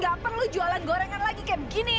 gak perlu jualan gorengan lagi kayak begini